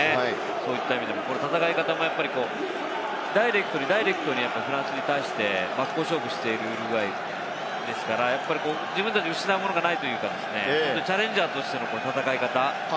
そういった意味でも戦い方もダイレクトにダイレクトに、フランスに対して、真っ向勝負しているウルグアイですから自分たちは失うものがない、チャレンジャーとしての戦い方。